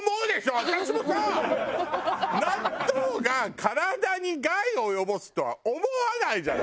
私もさ納豆が体に害を及ぼすとは思わないじゃない。